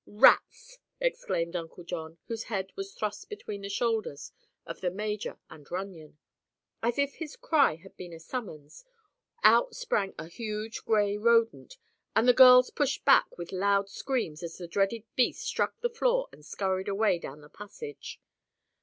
"Rats!" exclaimed Uncle John, whose head was thrust between the shoulders of the major and Runyon. As if his cry had been a summons, out sprang a huge gray rodent and the girls pushed back with loud screams as the dreaded beast struck the floor and scurried away down the passage.